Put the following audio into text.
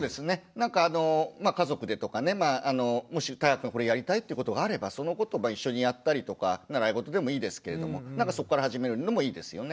なんかあのまあ家族でとかねもしたいがくんこれやりたいってことがあればそのことを一緒にやったりとか習い事でもいいですけれども何かそこから始めるのもいいですよね。